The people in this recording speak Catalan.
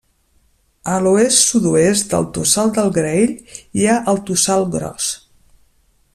A l'oest-sud-oest del Tossal del Graell hi ha el Tossal Gros.